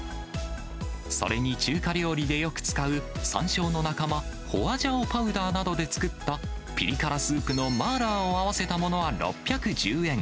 それに中華料理でよく使うサンショウの仲間、ホアジャオパウダーなどで作ったピリ辛スープのマーラーを合わせたものは６１０円。